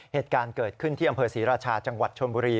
เหตุการณ์เกิดขึ้นที่อำเภอศรีราชาจังหวัดชนบุรี